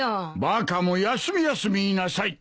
バカも休み休み言いなさい。